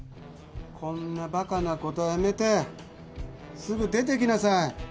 こんなバカなことやめてすぐ出てきなさい。